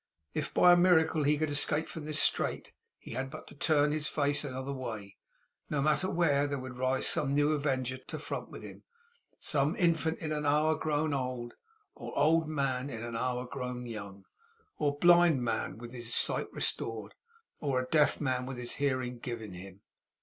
If, by a miracle, he could escape from this strait, he had but to turn his face another way, no matter where, and there would rise some new avenger front to front with him; some infant in an hour grown old, or old man in an hour grown young, or blind man with his sight restored, or deaf man with his hearing given him.